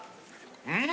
うん！